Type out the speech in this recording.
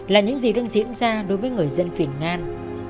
là những gì đang diễn ra đối với người dân việt ngan